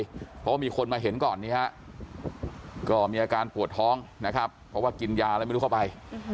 เพราะว่ามีคนมาเห็นก่อนก็วดท้องเพราะว่ากินยาก็ไม่รู้เข้าไป